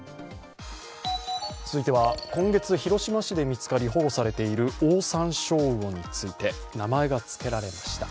続いては今月、広島市で見つかり保護されているオオサンショウウオについて名前がつけられました。